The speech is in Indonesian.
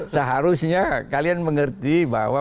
seharusnya kalian mengerti bahwa